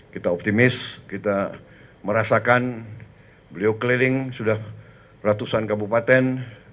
kita optimis kita merasakan beliau keliling sudah ratusan kabupaten